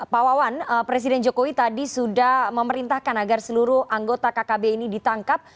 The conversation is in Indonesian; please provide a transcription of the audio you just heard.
pak wawan presiden jokowi tadi sudah memerintahkan agar seluruh anggota kkb ini ditangkap